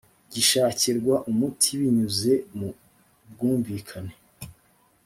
gishakirwa umuti binyuze mu bwumvikane